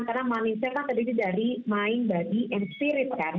karena manisnya kan tadi dari mind body and spirit kan